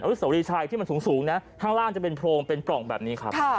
สวรีชัยที่มันสูงนะข้างล่างจะเป็นโพรงเป็นปล่องแบบนี้ครับ